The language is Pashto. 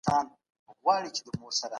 د بدن نښې جدي ونيسه